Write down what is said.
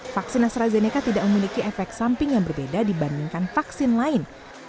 vaksin astrazeneca tidak memiliki efek samping yang berbeda dibandingkan vaksin lain